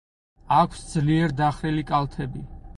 აქვს ძლიერ დახრილი კალთები.